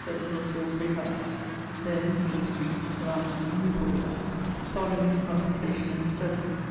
at Little Salisbury howse; then, Queen Street; lastly, Newport house), following his contemplation and study.